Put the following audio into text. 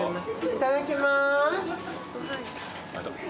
いただきます。